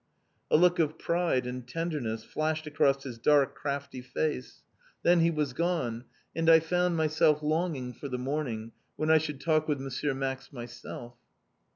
A look of pride and tenderness flashed across his dark, crafty face, then he was gone, and I found myself longing for the morning, when I should talk with M. Max myself.